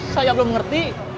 saya belum ngerti